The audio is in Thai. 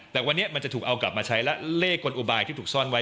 แต่วันนี้มันจะถูกเอากลับมาใช้และเลขกลอุบายที่ถูกซ่อนไว้